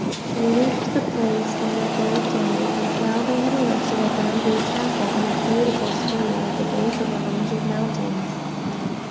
We reached the place on the third day, and found they had erected a bamboo chapel on a beautiful stream at the base of a range of mountains.